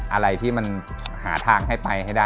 อะไรที่มันหาทางให้ไปให้ได้